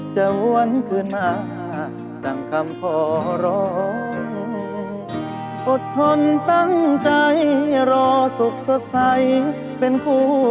สวัสดีครับ